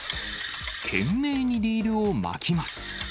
懸命にリールを巻きます。